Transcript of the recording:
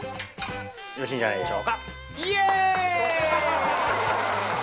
よろしいんじゃないでしょうか。